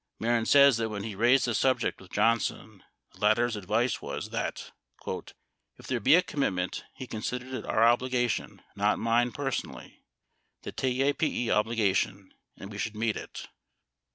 Meliren says that when he raised this subject with Johnson, the latter's advice was that : "If there be a commitment, he considered it our obligation, not mine personal ly, the TAPE obligation and we should meet it